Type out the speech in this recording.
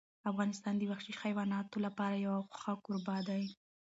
افغانستان د وحشي حیواناتو لپاره یو ښه کوربه دی.